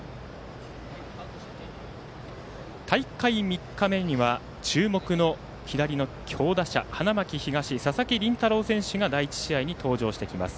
大会３日目には注目の左の強打者花巻東、佐々木麟太郎選手が第１試合に登場してきます。